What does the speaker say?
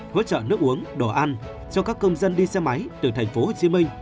hỗ trợ nước uống đồ ăn cho các công dân đi xe máy từ thành phố hồ chí minh